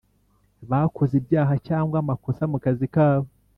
bakoze ibyaha cyangwa amakosa mu kazi kabo